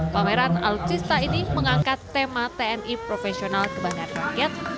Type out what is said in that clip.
pameran alutsista ini mengangkat tema tni profesional kebanggaan rakyat